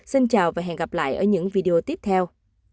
xin chào và hẹn gặp lại ở những video tiếp theo